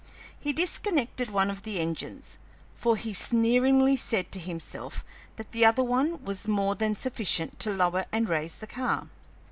He disconnected one of the engines, for he sneeringly said to himself that the other one was more than sufficient to lower and raise the car.